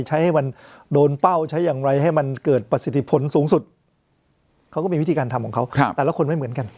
ให้มันโดนเป้าใช้อย่างไรให้มันเกิดประสิทธิผลสูงสุดเขาก็มีวิธีการทำของเขาแต่ละคนไม่เหมือนกัน